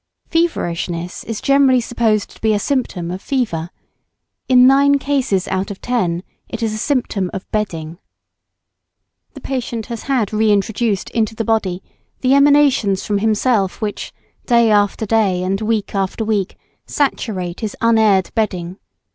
Feverishness is generally supposed to be a symptom of fever in nine cases out of ten it is a symptom of bedding. The patient has had re introduced into the body the emanations from himself which day after day and week after week saturate his unaired bedding.